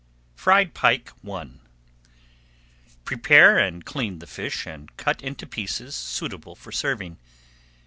FRIED PIKE I Prepare and clean the fish, and cut into pieces suitable for serving.